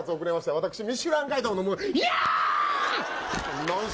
私、ミシュランガイドの者。